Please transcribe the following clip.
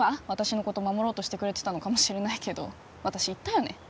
私のこと守ろうとしてくれてたのかもしれないけど私言ったよね